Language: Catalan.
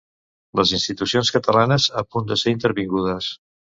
Les institucions catalanes a punt de ser intervingudes